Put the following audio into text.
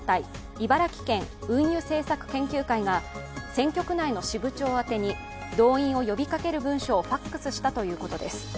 茨城県運輸政策研究会が選挙区内の支部長宛てに動員を呼びかける文書をＦＡＸしたということです。